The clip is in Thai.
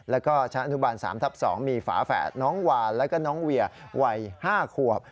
แล้วก็ชั้นอนุบาล๓ทับ๒มีฝาแฝดน้องวานแล้วก็น้องเวียวัย๕ขวบ